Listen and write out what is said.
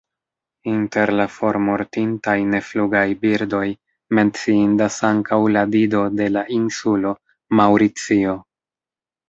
Inter la formortintaj neflugaj birdoj menciindas ankaŭ la Dido de la insulo Maŭricio.